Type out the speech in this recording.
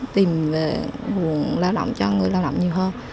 tìm về nguồn lao động cho người lao động nhiều hơn